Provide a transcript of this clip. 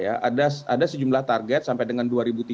ada sejumlah target sampai dengan dua ribu tiga puluh